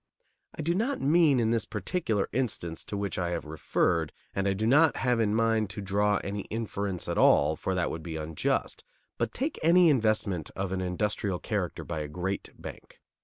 I do not mean in this particular instance to which I have referred, and I do not have in mind to draw any inference at all, for that would be unjust; but take any investment of an industrial character by a great bank.